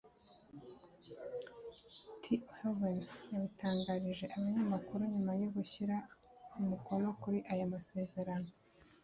E Tienhoven yabitangarije abanyamakuru nyuma yo gushyira umukono kuri aya masezerano